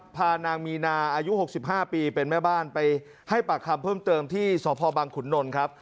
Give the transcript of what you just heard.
พานางมีนาอายุ๖๕ปีเป็นแม่บ้านไปให้ปากคำเพิ่มเติมที่สพบังขุนนลครับ